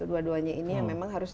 dua duanya ini yang memang harus